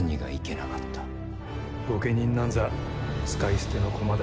御家人なんざ使い捨ての駒だ。